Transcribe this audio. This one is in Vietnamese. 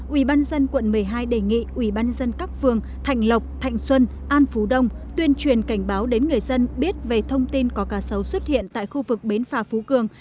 ủy ban nhân quận một mươi hai đề nghị ủy ban nhân các phường thạnh lộc thạnh xuân an phú đông tuyên truyền cảnh báo đến người dân biết về thông tin có cá sấu xuất hiện tại khu vực bến phà phú cường